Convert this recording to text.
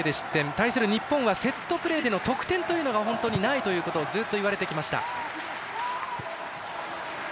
対する日本はセットプレーでの得点がないということをずっと言われてきました。